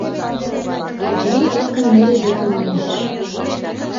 Качырий эркын Нелли деке мийыш.